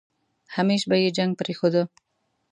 همېش به يې جنګ پرېښوده.